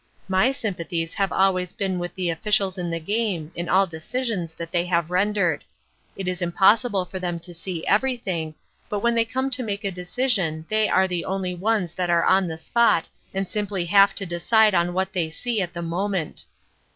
My sympathies have always been with the officials in the game in all decisions that they have rendered. It is impossible for them to see everything, but when they come to make a decision they are the only ones that are on the spot and simply have to decide on what they see at the moment.